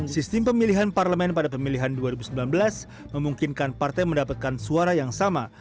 sistem pemilihan parlemen pada pemilihan dua ribu sembilan belas memungkinkan partai mendapatkan suara yang sama